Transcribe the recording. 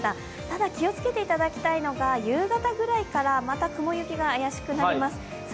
ただ、気をつけていただきたいのが夕方ぐらいから、また雲行きが怪しくなります。